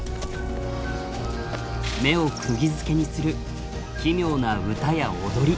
目をくぎづけにする奇妙な歌や踊り。